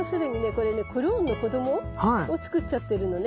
これねクローンの子どもを作っちゃってるのね